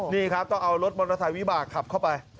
นี่ครับต้องเอารถบรรทัยวิบากขับเข้าไป